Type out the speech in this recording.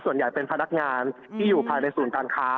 ส่วนใหญ่เป็นพนักงานที่อยู่ภายในศูนย์การค้า